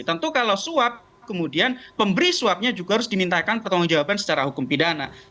tentu kalau suap kemudian pemberi suapnya juga harus dimintakan pertanggung jawaban secara hukum pidana